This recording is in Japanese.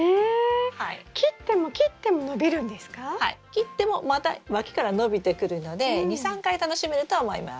切ってもまたわきから伸びてくるので２３回楽しめると思います。